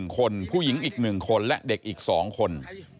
๑คนผู้หญิงอีก๑คนและเด็กอีก๒คน